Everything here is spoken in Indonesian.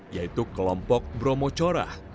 yaitu kelompok bromo corah